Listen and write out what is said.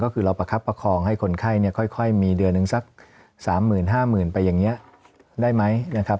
ก็คือเราประคับประคองให้คนไข้เนี่ยค่อยมีเดือนนึงสักสามหมื่นห้าหมื่นไปอย่างนี้ได้ไหมนะครับ